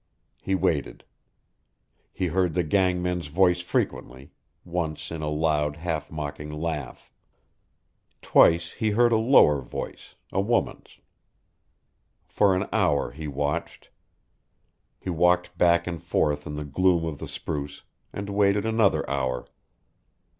He waited. He heard the gang man's voice frequently, once in a loud, half mocking laugh. Twice he heard a lower voice a woman's. For an hour he watched. He walked back and forth in the gloom of the spruce, and waited another hour.